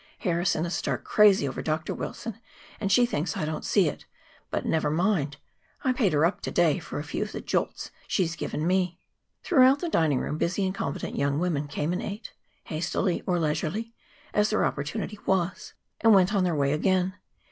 Harrison is stark crazy over Dr. Wilson, and she thinks I don't see it. But never mind; I paid, her up to day for a few of the jolts she has given me." Throughout the dining room busy and competent young women came and ate, hastily or leisurely as their opportunity was, and went on their way again.